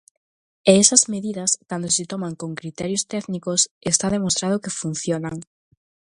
E esas medidas, cando se toman con criterios técnicos, está demostrado que funcionan.